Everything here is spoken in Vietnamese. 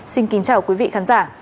xin kính chào quý vị khán giả